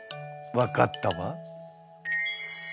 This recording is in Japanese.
分かったわ。